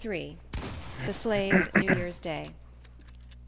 The Slaves' New Year's Day.